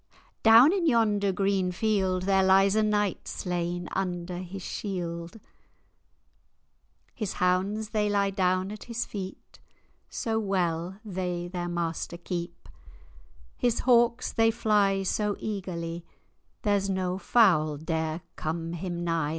"— "Downe in yonder greene field, There lies a knight slain under his shield; "His hounds they lie downe at his feete, So well they their master keepe; "His hawkes they flie so eagerlie, There's no fowle dare come him nie.